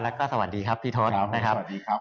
และก็สวัสดีครับพี่ทศนะครับ